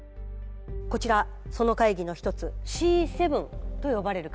こちらその会議の一つＣ７と呼ばれる会議です。